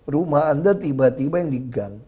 rumah anda tiba tiba yang digang